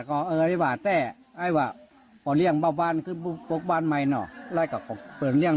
ก็เอ้ยว่าแต่ไอ้ว่าพอเลี่ยงเบาบ้านขึ้นปกบ้านใหม่เนาะไล่กับเปิงเลี่ยง